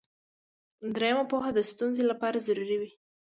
دریمه پوهه د ستونزې لپاره ضروري وي.